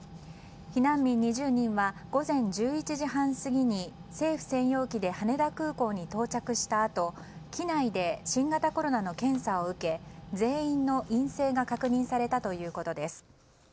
避難民２０人は午前１１時半過ぎに政府専用機で羽田空港に到着したあと機内で新型コロナの検査を受け全員の陰性が確認されたということです。